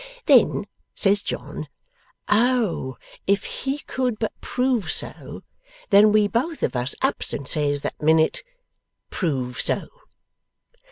Then says John, O, if he could but prove so! Then we both of us ups and says, that minute, "Prove so!"